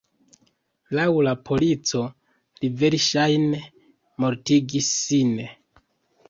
Laŭ la polico, li verŝajne mortigis sin.